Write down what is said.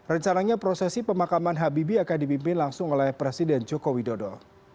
rencananya prosesi pemakaman habibie akan dipimpin langsung oleh presiden joko widodo